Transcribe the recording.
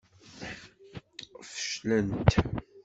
Feclent.